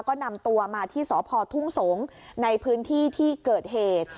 ก็นำตัวมาที่สพทุ่งสงศ์ในพื้นที่ที่เกิดเหตุ